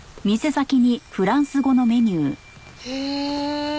へえ。